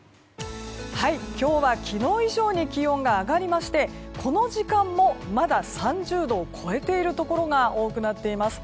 今日は昨日以上に気温が上がりましてこの時間も、まだ３０度を超えているところが多くなっています。